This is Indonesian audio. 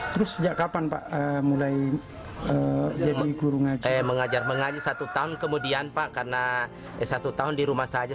terus sejak kapan pak mulai jadi guru mengaji